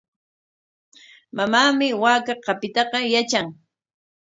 Mamaami waaka qapiytaqa yatran.